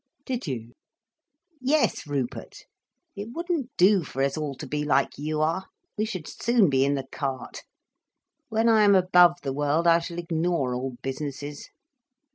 "Did you?" "Yes, Rupert. It wouldn't do for us all to be like you are—we should soon be in the cart. When I am above the world, I shall ignore all businesses."